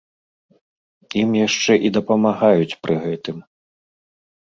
Ім яшчэ і дапамагаюць пры гэтым.